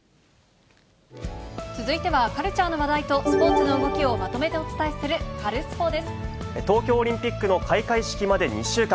続いては、カルチャーの話題とスポーツの動きをまとめてお伝えする、カルス東京オリンピックの開会式まで２週間。